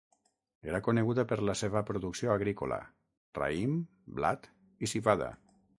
Era coneguda per la seva producció agrícola: raïm, blat i civada.